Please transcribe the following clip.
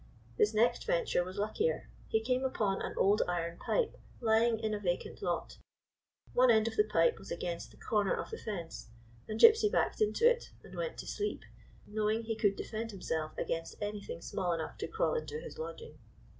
His next venture was luckier. He came upon an old iron pipe lying in a vacant lot. One end of the pipe was against the corner of the fence, and Gypsy backed into it, and went to sleep, knowing he could defend himself against any thing small enough to crawl into his lodging.